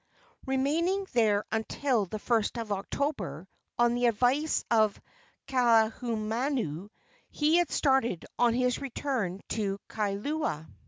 Remaining there until the 1st of October, on the advice of Kaahumanu he had started on his return to Kailua.